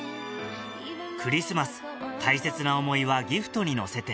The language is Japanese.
クリスマス大切な思いはギフトに乗せて